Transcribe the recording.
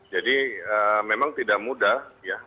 jadi memang tidak mudah